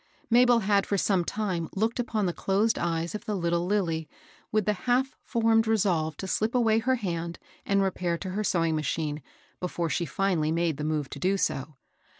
Mabel had for some time looked upon the closed eyes of the little Lilly, with the half formed resolve to slip away her hand and repair to her sewing machine before she finally made the move to do so.